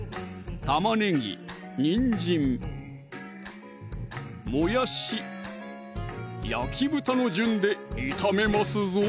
玉ねぎ・にんじん・もやし・焼き豚の順で炒めますぞ